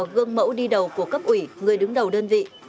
gương mẫu đi đầu của cấp ủy người đứng đầu đơn vị